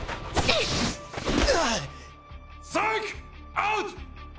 アウト！